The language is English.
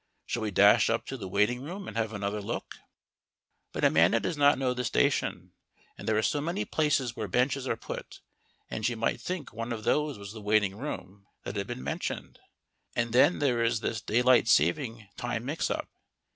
Shall we dash up to the waiting room and have another look? But Amanda does not know the station, and there are so many places where benches are put, and she might think one of those was the waiting room that had been mentioned. And then there is this Daylight Saving time mix up.